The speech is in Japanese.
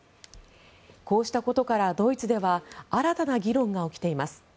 こうしたことからドイツでは新たな議論が起きています。